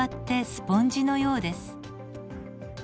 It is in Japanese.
スポンジのようです。